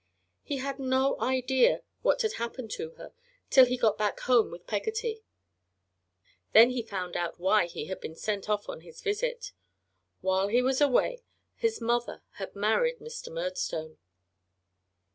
He had no idea what had happened to her till he got back home with Peggotty. Then he found why he had been sent off on his visit. While he was away his mother had married Mr. Murdstone.